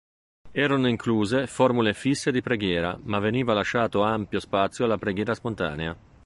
Erano incluse formule fisse di preghiera, ma veniva lasciato ampio spazio alla preghiera spontanea.